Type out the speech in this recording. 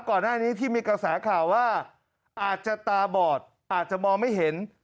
ก่อนหน้านี้ที่มีกระแสข่าวว่าอาจจะตาบอดอาจจะมองไม่เห็น